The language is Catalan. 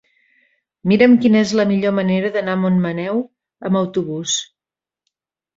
Mira'm quina és la millor manera d'anar a Montmaneu amb autobús.